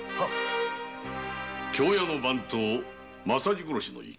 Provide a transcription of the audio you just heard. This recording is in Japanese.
京屋の番頭政次殺しの一件。